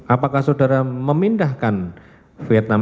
apakah saudara memindahkan vietnam